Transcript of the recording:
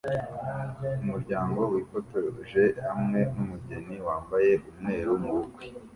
Umuryango wifotoje hamwe numugeni wambaye umweru mubukwe